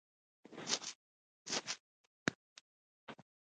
هغه یې نوش جان کړل